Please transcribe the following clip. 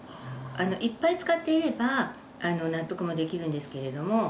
いっぱい使っていれば納得もできるんですけれども。